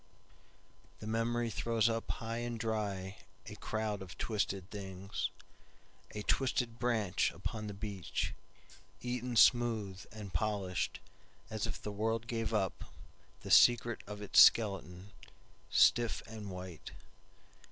The memory throws up high and dryA crowd of twisted things;A twisted branch upon the beachEaten smooth, and polishedAs if the world gave upThe secret of its skeleton, Stiff and white.